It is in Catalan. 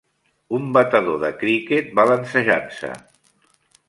Un batedor de criquet balancejant-se